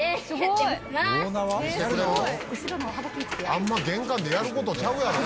あんま玄関でやる事ちゃうやろ。